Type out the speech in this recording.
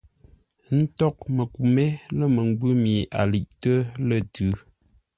Ə́ ntôghʼ məku mé lə̂ məngwʉ̂ mi a liʼtə́ lə̂ tʉ̌.